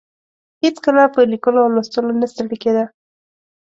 هېڅکله په لیکلو او لوستلو نه ستړې کیده.